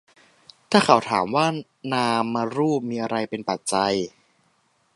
ถ้าเขาถามว่า นามรูปมีอะไรเป็นปัจจัย